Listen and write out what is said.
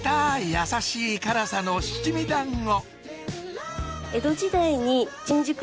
優しい辛さの七味だんご